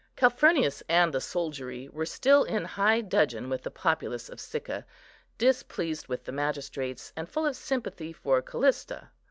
Calphurnius and the soldiery were still in high dudgeon with the populace of Sicca, displeased with the magistrates, and full of sympathy for Callista.